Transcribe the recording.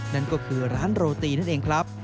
นั่นก็คือร้านโรตีนั่นเองครับ